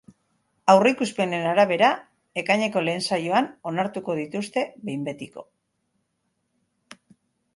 Aurreikuspenen arabera, ekaineko lehen saioan onartuko dituzte behin betiko.